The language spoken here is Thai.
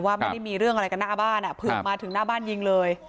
ไม่ได้มีเรื่องอะไรกันหน้าบ้านอ่ะเผือกมาถึงหน้าบ้านยิงเลย